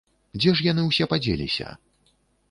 Дзе ж яны ўсе падзеліся?